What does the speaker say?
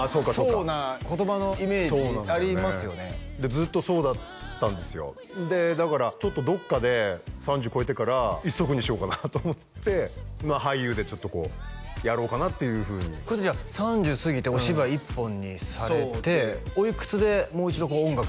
ずっとそうだったんですよでだからちょっとどっかで３０超えてから一足にしようかなと思って俳優でちょっとこうやろうかなっていうふうに３０過ぎてお芝居１本にされておいくつでもう一度音楽